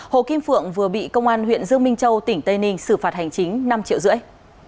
hồ kim phượng vừa bị công an huyện dương minh châu tỉnh tây ninh xử phạt hành chính năm triệu rưỡi